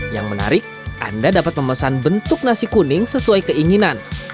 yang menarik anda dapat memesan bentuk nasi kuning sesuai keinginan